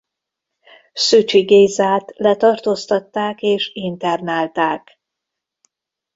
Szücsi Gézát letartóztatták és internálták.